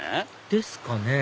ですかね